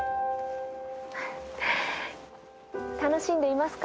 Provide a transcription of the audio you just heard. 楽しんでいますか？